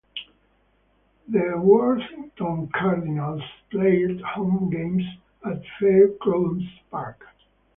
The Worthington Cardinals played home games at Fairgrounds Park.